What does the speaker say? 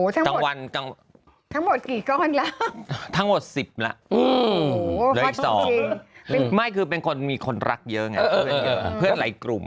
ตั้งวันกันทั้งหมดกี่ก้อนละทั้งหมดสิบแล้วมีคนรักเยอะเออเออเพื่อนไรกลุ่ม